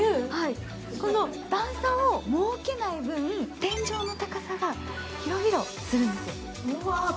この段差を設けない分、天井の高さが広々するんですよ。